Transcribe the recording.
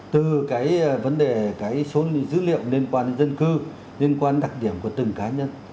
từ cái vấn đề cái số dữ liệu liên quan đến dân cư liên quan đặc điểm của từng cá nhân